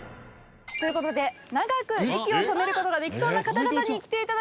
という事で長く息を止める事ができそうな方々に来て頂きました。